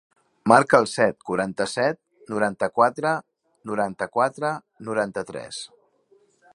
Marca el set, quaranta-set, noranta-quatre, noranta-quatre, noranta-tres.